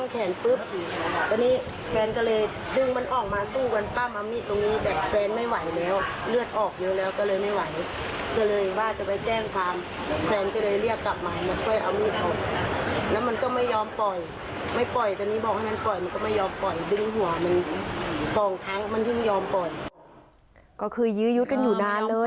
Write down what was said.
ก็คือยื้อยุดกันอยู่นานเลยอ่ะอืมอืม